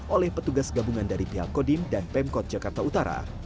oleh petugas gabungan dari pihak kodim dan pemkot jakarta utara